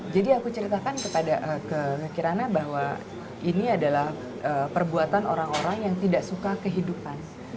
jadi aku ceritakan kepada kirana bahwa ini adalah perbuatan orang orang yang tidak suka kehidupan